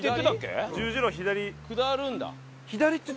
下るんだ。